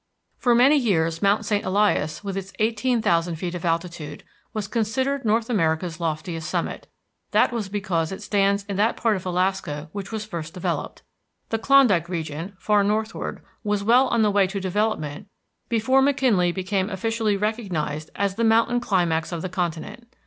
For many years Mount St. Elias, with its eighteen thousand feet of altitude, was considered North America's loftiest summit. That was because it stands in that part of Alaska which was first developed. The Klondike region, far northward, was well on the way to development before McKinley became officially recognized as the mountain climax of the continent.